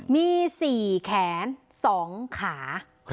มี๔แขน๒ขา